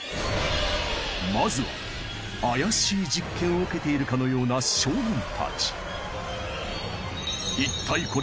まずは怪しい実験を受けているかのような少年たち